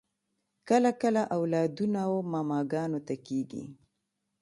کله کله اولادونه و ماماګانو ته کیږي